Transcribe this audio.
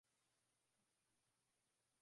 Kaa nami bwana